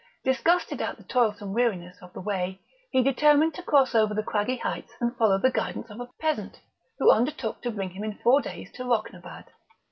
Disgusted at the toilsome weariness of the way, he determined to cross over the craggy heights and follow the guidance of a peasant, who undertook to bring him in four days to Rocnabad.